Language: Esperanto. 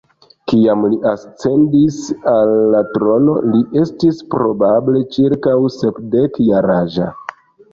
Kiam li ascendis al la trono, li estis probable ĉirkaŭ sepdek-jaraĝa.